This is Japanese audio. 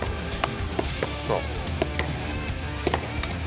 そう。